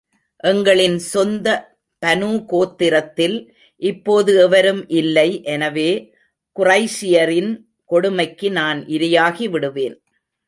எங்களின் சொந்த பனூ கோத்திரத்தில் இப்போது எவரும் இல்லை எனவே, குறைஷியரின் கொடுமைக்கு நான் இரையாகிவிடுவேன்!